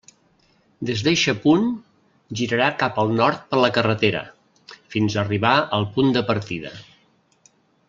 Des d'eixe punt, girarà cap al nord per la carretera, fins a arribar al punt de partida.